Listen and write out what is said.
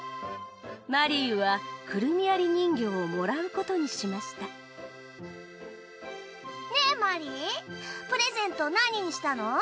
マリーはくるみわり人形をもらうことにしましたねぇマリープレゼント何にしたの？